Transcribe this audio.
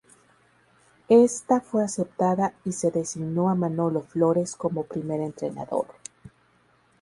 Ésta fue aceptada y se designó a Manolo Flores como primer entrenador.